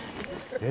えっ？